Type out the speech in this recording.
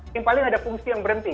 yang paling ada fungsi yang berhenti